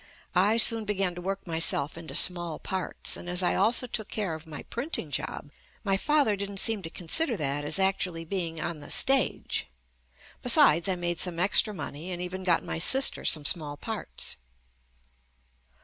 I soon began to work myself into small parts, and as I also took care of my printing job my father didn't seem to consider that as actually being on the stage. Besides, I made some extra money and even got my sister some small parts.